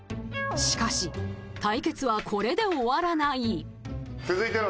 しかし、対決はこれで終わらない。